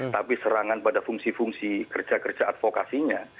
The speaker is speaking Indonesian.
tapi serangan pada fungsi fungsi kerja kerja advokasinya